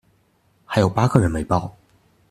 還有八個人沒報